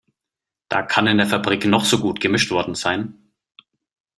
Da kann in der Fabrik noch so gut gemischt worden sein.